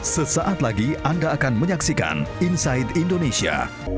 sesaat lagi anda akan menyaksikan inside indonesia